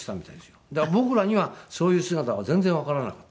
だから僕らにはそういう姿は全然わからなかった。